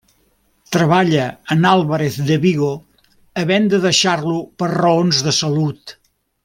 Treballa en Álvarez de Vigo, havent de deixar-lo per raons de salut.